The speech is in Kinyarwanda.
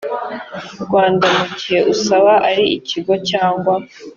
rwanda mu gihe usaba ari ikigo cyangwa